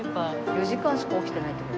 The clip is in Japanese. ４時間しか起きてないって事？